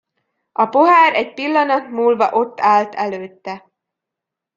A pohár egy pillanat múlva ott állt előtte.